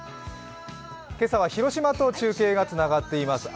今朝は広島と中継がつながっています。